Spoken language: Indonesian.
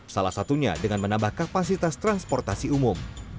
salah satunya dengan menambah kapasitas transportasi umum